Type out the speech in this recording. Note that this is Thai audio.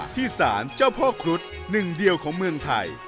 ที่สารเจ้าพ่อครุฑหนึ่งเดียวของเมืองไทย